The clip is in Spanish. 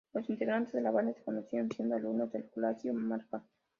Los integrantes de la banda se conocieron siendo alumnos del Colegio Markham.